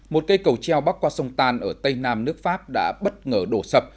một cây cầu treo bắc qua sông tan ở tây nam nước pháp đã bất ngờ đổ sập